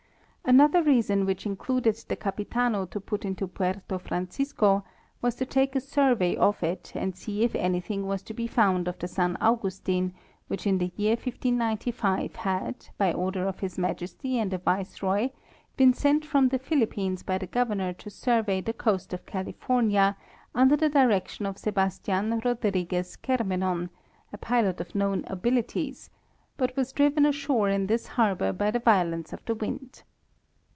Another reason which induced the Capitana to put into Puerto Francisco was to take a survey of it and see if anything was to be found of the San Augustin, which in the year 1595 had, by order of his majesty and the viceroy, been sent from the Philippines by the governor to survey the coast of California under the direction of Sebastian Rodriguez Cer menon, a pilot of known abilities, but was driven ashore in this harbor by the violence of the wind.